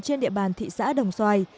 trên địa bàn thị xã đồng xoài